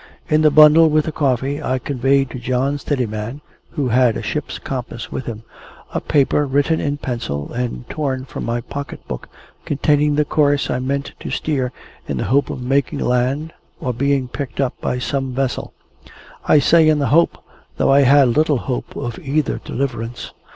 In the bundle with the coffee, I conveyed to John Steadiman (who had a ship's compass with him), a paper written in pencil, and torn from my pocket book, containing the course I meant to steer, in the hope of making land, or being picked up by some vessel I say in the hope, though I had little hope of either deliverance.